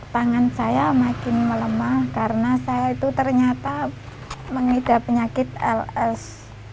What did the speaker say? tangan saya makin melemah karena saya itu ternyata mengidap penyakit ls